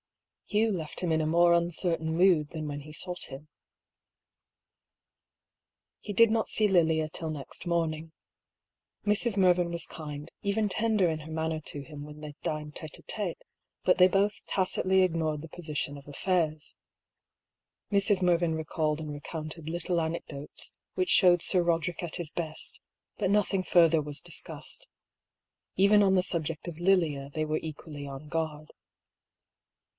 Hugh left him in a more uncertain mood than when he sought him. He did not see Lilia till next morning. Mrs. Mervyn was kind, even tender in her manner to him when they dined Ute h Ute^ but they both tacitly ignored the posi tion of affairs. Mrs. Mervyn recalled and recounted little anecdotes which showed Sir Roderick at his best, but nothing further was discussed. Even on the subject of Lilia they were equally on guard.